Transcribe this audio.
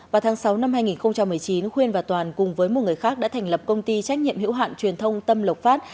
vào tháng sáu năm hai nghìn một mươi chín khuyên và toàn cùng với một người khác đã thành lập công ty trách nhiệm hữu hạn truyền thông tâm lộc phát